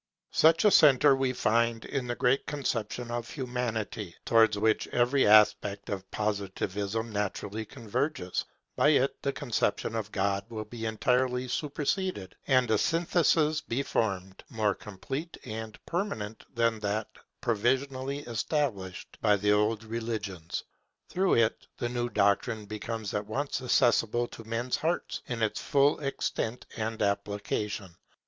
Such a centre we find in the great conception of Humanity, towards which every aspect of Positivism naturally converges. By it the conception of God will be entirely superseded, and a synthesis be formed, more complete and permanent than that provisionally established by the old religions. Through it the new doctrine becomes at once accessible to men's hearts in its full extent and application.